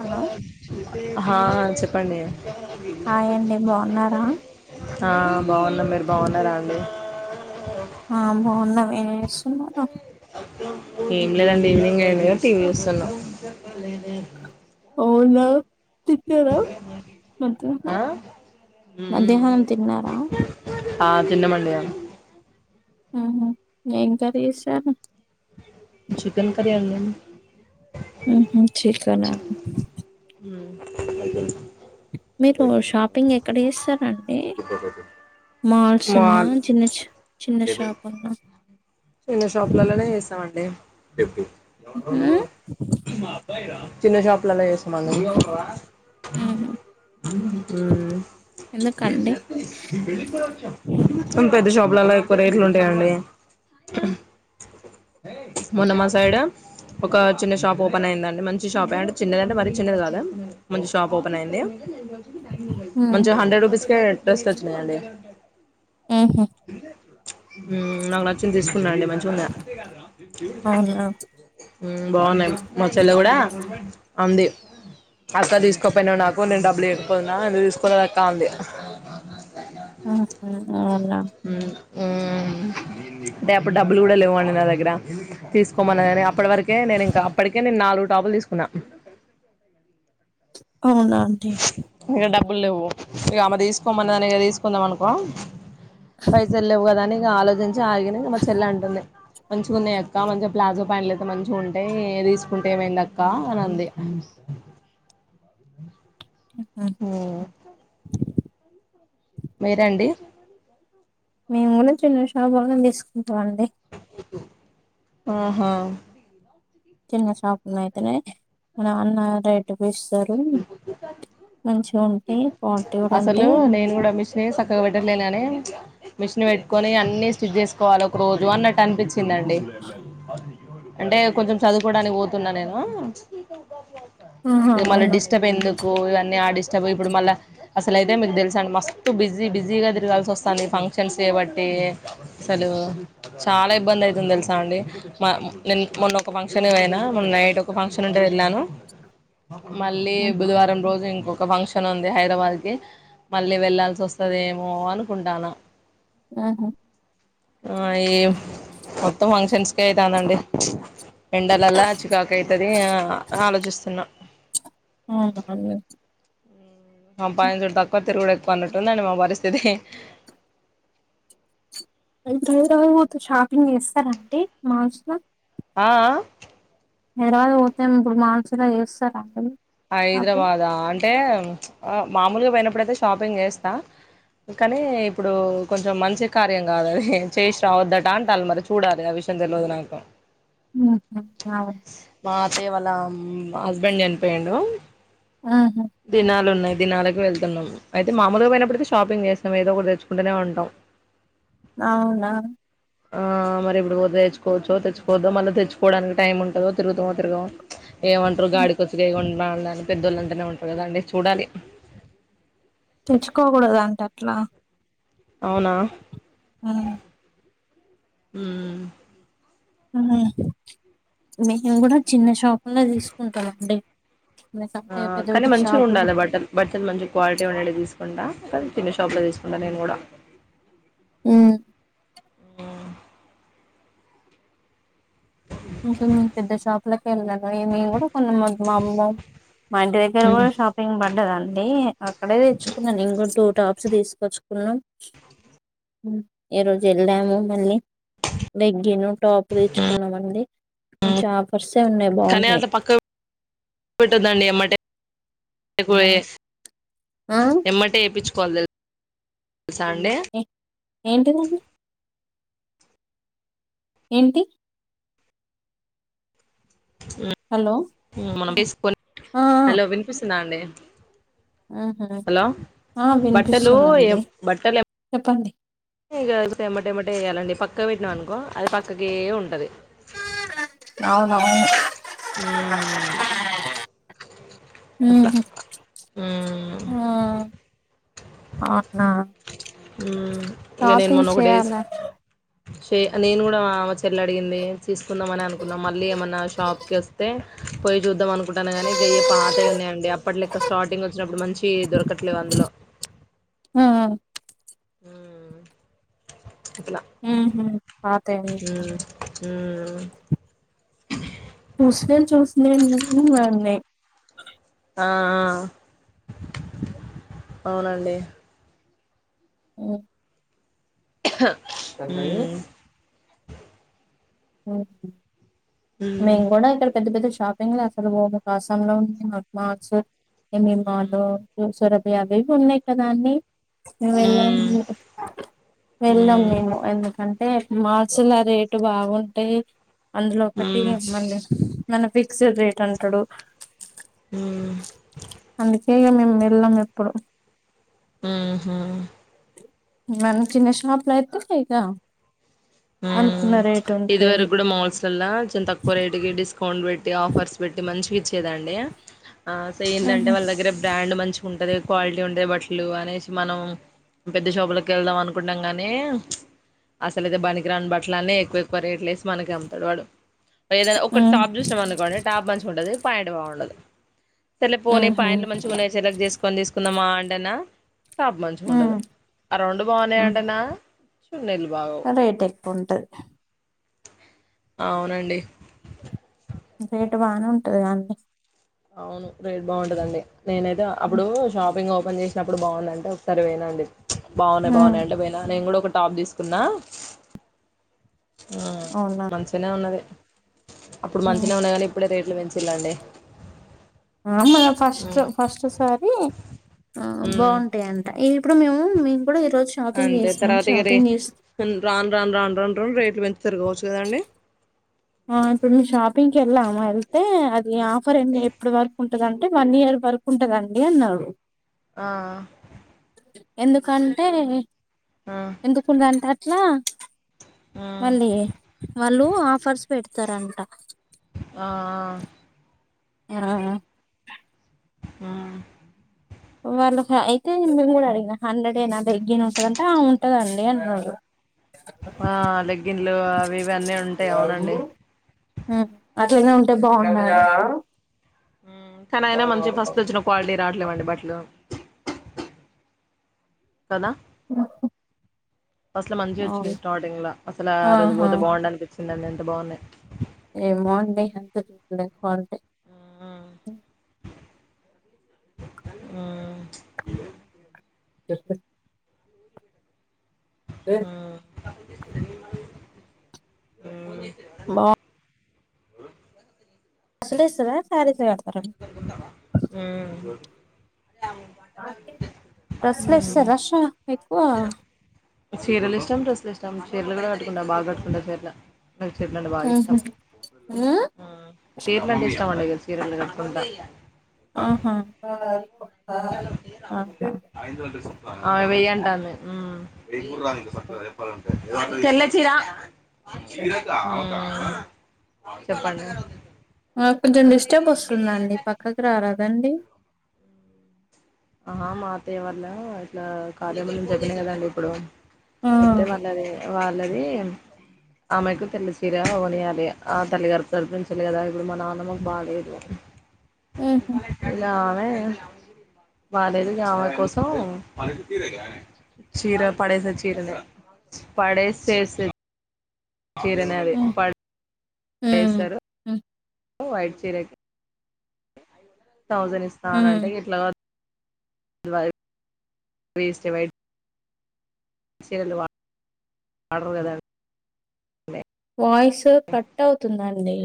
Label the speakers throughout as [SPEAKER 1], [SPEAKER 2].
[SPEAKER 1] hello
[SPEAKER 2] హ చెప్పండి
[SPEAKER 1] hi అండి బాగున్నారా
[SPEAKER 2] ఆ బాగున్న మీరు బాగున్నారా అండి
[SPEAKER 1] ఆ బాగున్నం ఏం చేస్తురు
[SPEAKER 2] ఏం లేదండి ఈవినింగ్ అయింది గదా టీవీ చూస్తున్నాం
[SPEAKER 1] అవునా తిన్నారా మధ్యాహ్నం
[SPEAKER 2] ఆ
[SPEAKER 1] మధ్యాహ్నం తిన్నారా
[SPEAKER 2] ఆ తిన్నాం అండి ఇగ
[SPEAKER 1] ఆహ ఏం కర్రీ చేసారు
[SPEAKER 2] చికెన్ కర్రీ అండి
[SPEAKER 1] ఉహు చికెనా
[SPEAKER 2] హ్మ్
[SPEAKER 1] మీరు షాపింగ్ ఎక్కడ ఇస్తారండి [unintelligible]
[SPEAKER 2] మా
[SPEAKER 1] చిన్న చిన్న షాప్ అన్నా
[SPEAKER 2] చిన్న షాపులలోనే చేస్తామండి
[SPEAKER 1] ఉహు
[SPEAKER 2] చిన్న షాపులలోనే చేస్తామండి హ్మ్
[SPEAKER 1] ఎందుకండి
[SPEAKER 2] ఉమ్ పెద్ద షాపులలా ఎక్కువ రేట్లు ఉంటాయండి మొన్నమ సైడు ఒక చిన్న షాప్ ఓపెన్ అయిందండి మంచి షాప్ ఎ అంటే చిన్నదింటే మరి చిన్నది కాదు లే మంచి షాప్ ఓపెన్ అయింది మంచిగ హండ్రెడ్ రూపీస్ కే డ్రెస్లు వచ్చినాయండి
[SPEAKER 1] ఉహు
[SPEAKER 2] హ్మ్ నాక్ న తీసుకున్నాండి మంచి ఉండ
[SPEAKER 1] అవునా
[SPEAKER 2] హ్మ్ బాగున్నాయి మా చెల్ల కూడా అంది అత్త తీసుకోపోయినా నాకు నేను డబ్బులు ఇయకపోయినా ఎందుకు తీసుకోలేదు అక్క అంది
[SPEAKER 1] ఆహ అవునా
[SPEAKER 2] హ్మ్ అంటే అప్పుడు డబ్బులు కూడా లేవండి నా దగ్గర తీసుకోమన్నా గాని అప్పటి వరకే నేను ఇంకా అప్పటికే నేను నాలుగు టాపులు తీసుకున్నా
[SPEAKER 1] అవునాంటి
[SPEAKER 2] ఇక డబ్బులు లేవు ఇగ ఆమె తీసుకోమని దాని తీసుకుందాం అనుకో పైసలు లేవు కదాని ఆలోచించి ఆగిన మా చెల్లె అంటుంది మంచిగా ఉన్నాయి అక్క మంచి ప్లాజో ప్యాంట్లు అయితే మంచిగా ఉంటాయ్ తీసుకుంటే ఏమైందిక్క అని అంది
[SPEAKER 1] ఆహ
[SPEAKER 2] మీరండి
[SPEAKER 1] మేము కూడా చిన్న షాపులోనే తీసుకుంటాం అండి
[SPEAKER 2] ఆహా
[SPEAKER 1] చిన్న షాప్లో అయితనే మా నాన్న రైటు పీస్ తరు మంచి ఉంటాయి క్వాలిటీ కూడా ఉంటాయ్
[SPEAKER 2] క్క పెట్టలేనననే మిషన్ పెట్టుకొని అన్ని స్టిచ్ చేసుకోవాలి ఒక రోజు అన్నట్టు అనిపించ్ చిందండి అంటే కొంచం చదువుకోడానికి పోతున్నా నేను
[SPEAKER 1] ఆహా
[SPEAKER 2] ఇక మళ్ళీ
[SPEAKER 1] అవునా
[SPEAKER 2] డిస్టర్బ్ ఎందుకు ఇవన్నీ ఆ డిస్టబ్ ఇప్పుడు మళ్ళ అసలు అయితే మీకు తెలుస అండ్ మస్తు బిజీ బిజీగా తిరగాల్సి వస్తాంది ఫంక్షన్స్ చేయబట్టి అసలు చాలా ఇబ్బంది అయితుంది తెలుసా అండి మా నిన్ మొన్న ఒక ఫంక్షన్ పోయినా మొన్న నైట్ ఒక ఫంక్షన్ ఉంటే వెళ్ళాను మళ్ళీ బుధవారం రోజు ఇం ఒక ఫంక్షన్ ఉంది హైదరాబాద్ కి మళ్ళీ వెళ్లాల్సి వస్తదేమో అనుకుంటాన
[SPEAKER 1] ఆహా
[SPEAKER 2] ఆ ఏం మొత్తం ఫంక్షన్స్ కే అయితాందండి ఎండలలా అ చికాకు అయితది ఆ ఆలోచిస్తున్నా
[SPEAKER 1] ఆ నాన్ వెజ్
[SPEAKER 2] సంపాదించుడు తక్కువ తిరుగుడు ఎక్కు పన్నటందని మా పరిస్థితి
[SPEAKER 1] ఏన్ ట్రూతకు వోతూ షాపింగ్ చేస్తారండి మాల్స్ లా
[SPEAKER 2] ఆ ఆ
[SPEAKER 1] హైదరాబాద్ పోతే ఇప్పుడు మానుసులా చేస్తారండి షాపింగ్
[SPEAKER 2] హైదరాబాదా అంటే మామూలుగా పోయినప్పుడైతే షాపింగ్ చేస్తా కానీ ఇప్పుడు కొంచెం మంచి కార్యం కాదు అది చేసి రావద్దట అంటల్లు మరి చూడాలి అవి చన్ తెలువదు నాకు
[SPEAKER 1] ఉహు నవును
[SPEAKER 2] చే వాళ్ళ హస్బెండ్ చనిపోయిండు
[SPEAKER 1] ఆహా
[SPEAKER 2] దినాలు ఉన్నాయి దినాలకు వెళ్తున్నాం అయితే మాములుగా పోయినప్పుడు అయితే షాపింగ్ చేస్తాం ఏదో ఒకటి తెచ్చుకుంటనే ఉంటాం
[SPEAKER 1] అవునా
[SPEAKER 2] ఆ మరి ఇప్పుడు తెచ్చుకోవచో తెచ్చుకోవదో మళ్ళీ తెచ్చుకోవడానికి టైం ఉంటుందో తిరుగుతామో తిరగమో ఏమంటారు గాడి ఇగోండి మా అందాన్ని పెద్దోళ్ళు అంటేనే ఉంటారు కదా అండి చూడాలి
[SPEAKER 1] తెచ్చుకోకూడదు అంట అట్లా
[SPEAKER 2] అవునా
[SPEAKER 1] అలాగే
[SPEAKER 2] ఉ
[SPEAKER 1] ఉహు మేము కూడా చిన్న షాపుల్లో తీసుకుంటాం అండి
[SPEAKER 2] ఆ కానీ మంచిగా ఉండాలి బట్టన్ బట్టన్ మంచి క్వాలిటీ ఉండేటి తీసుకుంటా కాని చిన్న షాప్ లా తీసుకుంటా నేను కూడా
[SPEAKER 1] ఉ ఇంకొన్ని పెద్ద షాపులకు వెళ్ళను ఈ మేము కూడా కొన్నాం మాకు మా అమ్మమ్మమో మా ఇంటి దగ్గర కూడా షాపింగ్ పడ్డదండి అక్కడే తెచ్చుకున్నా నేను కూడా టూ టాప్స్ తీసుకొచ్చుకున్నాం ఉ ఏ రోజు వెళ్ళాము మళ్ళీ లెగ్గీను టాప్ తెచ్చుకున్నాము అండి
[SPEAKER 2] కనీ అంతా పక్క పెట్టందండి ఏమ్మటే ఏకు ఏసు
[SPEAKER 1] ఆ
[SPEAKER 2] ఎమ్మటే ఏపిచ్చుకోవాలి తెలు
[SPEAKER 1] ఏ ఏంటిది అది ఏంటి హలో
[SPEAKER 2] ఉ మనం తీసుక పోనీ
[SPEAKER 1] ఆ ఆ
[SPEAKER 2] హలో వినిపిస్తుందా అండి
[SPEAKER 1] ఆహా
[SPEAKER 2] హలో
[SPEAKER 1] ఆ
[SPEAKER 2] బట్టలు ఏవు
[SPEAKER 1] వినిపిస్తుందండి
[SPEAKER 2] బట్టలు ఎం
[SPEAKER 1] చెప్పండి
[SPEAKER 2] ఇగ ఎందుకు ఎమ్మటే ఎమ్మటే వేయాలండి పక్కకు పెట్టినాం అనుకో అది పక్కకే ఉంటది
[SPEAKER 1] అవునవును
[SPEAKER 2] ఉ అట్లా ఉమ్
[SPEAKER 1] ఉ ఆ అవునా
[SPEAKER 2] ఉ ఇగ నేన్
[SPEAKER 1] షాపింగ్
[SPEAKER 2] మొన్న ఒకటి డేస్
[SPEAKER 1] చేయాలా
[SPEAKER 2] షే నేను కూడా మా చెల్ల అడిగింది తీసుకుందాంమనే అనుకున్నాం మళ్ళీ ఏమన్నా షాప్ కి వస్తే పోయి చూద్దామ్ అనుకుంటానా గానీ గెయ్యే పాతవి ఉన్నాయండి అప్పట్ లెక్క స్టార్టింగ్ వచ్చినప్పుడు మంచి దొరకట్లేవు అందులో
[SPEAKER 1] ఆ ఆ
[SPEAKER 2] ఉమ్ అట్లా
[SPEAKER 1] ఉహు పాతేవి
[SPEAKER 2] హ్మ్ హ్మ్ హ
[SPEAKER 1] ట్యూస్డే చూసిన నన్నే
[SPEAKER 2] ఆ ఆ అవునండి
[SPEAKER 1] మ్మ్
[SPEAKER 2] హా హ్మ్
[SPEAKER 1] మ్ హు
[SPEAKER 2] ఉమ్
[SPEAKER 1] మేమ్ కూడా ఇక్కడ పెద్ద పెద్ద షా షాపింగ్ లో అసలు కాసం లో మ్ వి మాల్స్ మ్ వి అ అవి ఉన్నాయి కదా అండి వెళ్లం
[SPEAKER 2] ఉమ్
[SPEAKER 1] వెళ్లం
[SPEAKER 2] ఉమ్
[SPEAKER 1] మేము ఎందుక అంటే మాల్సుల రేటు బాగుంటాయి అందులో ఒకటి
[SPEAKER 2] ఉమ్
[SPEAKER 1] మళ్ళీ మన ఫిక్స్డ్ రేట్ అంటాడు
[SPEAKER 2] ఉమ్
[SPEAKER 1] అందుక ఇగ మేము వెళ్ళం ఎప్పుడు
[SPEAKER 2] హ్మ్ హు
[SPEAKER 1] మన చిన్న షాపులో అయితే ఇక
[SPEAKER 2] హ్మ్
[SPEAKER 1] అనుకున్న రేట్ ఉంటది
[SPEAKER 2] ఇదివరకు కూడా మాల్స్ లల్ల చాలా తక్కువ రేటుకే డిస్కౌయ్ అౌంట్ పెట్టి ఆఫర్స్ పెట్టి మంచి ఇచ్చేదండి సో
[SPEAKER 1] మ్మ్
[SPEAKER 2] ఏందంటే వాళ్ళ దగ్గర బ్రాండ్ మంచి ఉంటది క్వాలిటీ ఉంటది బట్టలు అనేసి మనం పెద్ద షాపు లోకి వెళ్దాం అనుకుంటున్నాం గానీ అసలు అయితే బానికి గ్రాండ్ బట్లన్ని ఎక్కువ ఎక్కువ రేట్లేేసి మనకి అమ్ముతడు వాడు ఏదైనా ఒక
[SPEAKER 1] హ్మ్
[SPEAKER 2] టాప్ చూసినాం అనుకోండి టాప్ మంచిగా ఉంటది పాయింట్ బాగుండదు సర్లే పోని
[SPEAKER 1] మ్మ్ హ్మ్
[SPEAKER 2] పాయంట్లు మంచిగా ఉన్నాయి సెలెక్ట్ చేసుకొని తీసుకుందాం మా ఆ అంటేన టాప్ మంచిగా ఉండదు అ రొండు
[SPEAKER 1] మ్మ్
[SPEAKER 2] బాగున్నాయింటేనా
[SPEAKER 1] రేట్ ఎక్కువంటది
[SPEAKER 2] అవునండి
[SPEAKER 1] రేటు బానే ఉంటది కండి
[SPEAKER 2] అవును రేట్ బాగుంటదండి నేనైతే అప్పుడు షాపింగ్ ఓ ఓపెన్ చేసినప్పుడు బాగున్నాందింట ఒకసారి పోయిన అండి బాగున్నాయి బాగున్నాయి అంటే పోయినా నేను కూడా ఒక టాప్ తీసుకున్నా ఉమ్
[SPEAKER 1] అవునా
[SPEAKER 2] మంచిగనే ఉన్నది అప్పుడు మంచినే ఉన్నాయి కానీ ఇప్పుడే రేట్లు పెంచిళ్ళండి
[SPEAKER 1] ఆ మళ్ళా ఫస్ట్లో ఫస్ట్ సారి ఆ
[SPEAKER 2] ఉమ్
[SPEAKER 1] బాగుంటాయంట ఈ ఇప్పుడు మేము మీ
[SPEAKER 2] అంతే తర్వాత ఇగ రే ఉమ్ రాను రాను రాను రాను రాను రేట్లు పె తిరగవచ్చు కదండి
[SPEAKER 1] ఆ ఇప్పుడు మేము షాపింగ్ కి వెళ్ళాము వెళ్తే అది ఆఫర్ ఎప్పుడు వరకు ఉంటందింటే వన్ ఇయర్ వరకు ఉంటదండి అన్నారు
[SPEAKER 2] ఆ
[SPEAKER 1] ఎందుకంటే
[SPEAKER 2] ఆ
[SPEAKER 1] ఎందుకుండంటే అట్లా
[SPEAKER 2] ఆ
[SPEAKER 1] మళ్ళీ వాళ్ళు ఆఫర్స్ పెడతారంట
[SPEAKER 2] ఆ ఆ
[SPEAKER 1] ఆ ఆ
[SPEAKER 2] ఉమ్
[SPEAKER 1] వాళ్ళు అయితే మేము కూడా అడిగినా హండ్రెడ్ ఏనా లెగ్గిను ఉంటదంటే ఆ ఉంటదండి అన్నారు
[SPEAKER 2] ఆ లెగ్గిన్లు అవి ఇవన్నీ ఉంటాయి అవునండి
[SPEAKER 1] అట్లానే ఉంటే బాగున్నాయి
[SPEAKER 2] ఉమ్ కానీ అయినా మంచి ఫస్ట్ వచ్చిన క్వాలిటీ రాట్లేమండి బట్టలు కదా
[SPEAKER 1] ఆఓ హ్మ్ హు
[SPEAKER 2] అస్సలు మంచి వచ్చినాయి స్టార్టింగ్ లో అసల ఆ రోజు
[SPEAKER 1] ఆహా
[SPEAKER 2] పోతే బాగుడానికి ఇచ్చిందండి ఎంత బాగున్నాయి
[SPEAKER 1] ఏమ్ బాగుంటాయి అంత డూప్లికేట్
[SPEAKER 2] హ్మ్
[SPEAKER 1] చెప్పు ఏ
[SPEAKER 2] ఉమ్
[SPEAKER 1] బా
[SPEAKER 2] అ
[SPEAKER 1] బస్ల ఓస్తున్నరా కార్కా
[SPEAKER 2] ఉమ్
[SPEAKER 1] బస్ల ఒస్తే
[SPEAKER 2] ఉమ్
[SPEAKER 1] రష్ ఎక్కువ
[SPEAKER 2] చీరలు ఇష్టం డ్రస్సులు ఇష్టం చీరలు కూడా కట్టుకుంట బాగా కట్టుకుంట చీరలు నాకు చీరలు అంటే బాగా ఇష్టం
[SPEAKER 1] ఊహూ హ్మ్
[SPEAKER 2] చీరలంటే ఇష్టం అండి ఇగ చీరలు క కట్టుకుంటా
[SPEAKER 1] ఆహా ఆహా
[SPEAKER 2] ఆమె వెయ్యి అంటాంది తెల్ల చీరా ఉమ్ చెప్పండి
[SPEAKER 1] నాకు కొంచెం డిస్టర్బ్ వస్తుందండి పక్కకి రారాదండి
[SPEAKER 2] ఆహా మా అత్తయ్య వాళ్ల ఇట్లా కార్యం ఉందని చెప్పిన కదండి ఇప్పుడు
[SPEAKER 1] ఆ
[SPEAKER 2] చెప్తే వాళ్ళది వాళ్ళది ఆమెకు తెల్ల చీర కొనియ్యాలి ఇగ ఆ తల్లిగారి తరుపునుంచెలి కదా ఇప్పుడు మా నాన్నమ్మకు బాలేదు
[SPEAKER 1] ఊహూ
[SPEAKER 2] ఇగ ఆమె బాలేదు ఇగ ఆమె కోసం చీర పడేసే చీరనే పడేసేసే చీరనే అది
[SPEAKER 1] హ్మ్ హ్మ్
[SPEAKER 2] పడేస్తరు
[SPEAKER 1] హ్మ్
[SPEAKER 2] వైట్ చీరకి థౌసండ్ ఇస్తా
[SPEAKER 1] హ్మ్
[SPEAKER 2] అనంటే ఇట్లా వైట్ వేస్ట్ ఏ వైట్ చీరలు వాడరు కదండి
[SPEAKER 1] వోయిస్ కట్ అవుతుందండి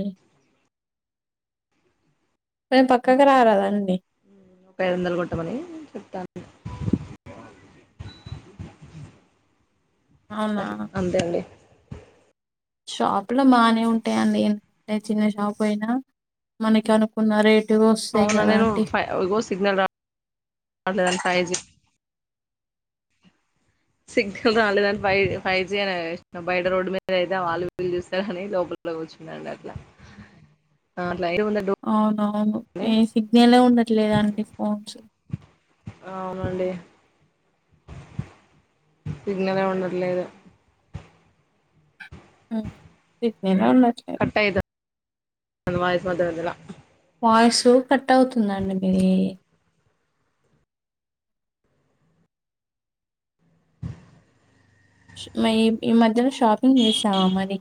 [SPEAKER 1] కొంచం పక్కకు రారాదండి
[SPEAKER 2] ముప్పై ఐదు వందలు కొట్టమని చెప్తాన్న
[SPEAKER 1] అవునా
[SPEAKER 2] అట్ల అంతే అండి
[SPEAKER 1] షాప్ లో బానే ఉంటయండి చిన్న షాప్ అయినా మనకి అనుకున్న రేట్
[SPEAKER 2] అవునా నేను ఫై ఇగో సిగ్నల్ రాట్లేదని ఫైవ్జి సిగ్నల్ రాలేదని ఫైవ్ ఫైవ్ జి అని బయట రోడ్డు మీదయితే వాళ్ళు వీళ్ళు చూస్తరని లోపల ల కూర్చున్న అండి అట్ల
[SPEAKER 1] అవునవును ఏ సిగ్నలే ఉండట్లేదండి ఫోన్స్
[SPEAKER 2] అవునండి సిగ్నలే ఉండట్లేదు
[SPEAKER 1] ఉమ్ సిగ్నల్
[SPEAKER 2] కట్ అయితాంది వాయిస్ మధ్య మధ్యల
[SPEAKER 1] వాయిసు కట్ అవుతుందండి మీది ఈ మధ్యలో షాపింగ్ చేసావా మరి